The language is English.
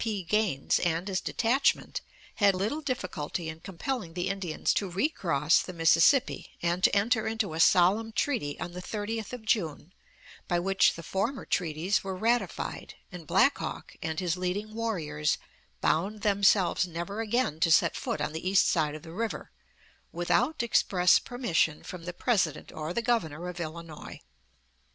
P. Gaines and his detachment, had little difficulty in compelling the Indians to re cross the Mississippi, and to enter into a solemn treaty on the 30th of June by which the former treaties were ratified and Black Hawk and his leading warriors bound themselves never again to set foot on the east side of the river, without express permission from the President or the Governor of Illinois.